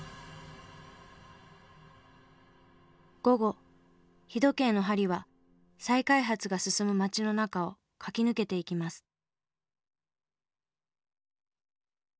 午後日時計の針は再開発が進む街の中を駆け抜けていきます。